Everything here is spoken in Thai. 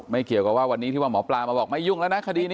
เกี่ยวกับว่าวันนี้ที่ว่าหมอปลามาบอกไม่ยุ่งแล้วนะคดีนี้